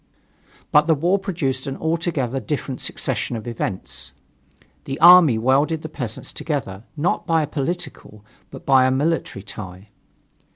But the war produced an altogether different succession of events. The army welded the peasants together, not by a political, but by a military tie.